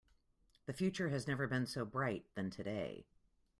The future has never been so bright than today.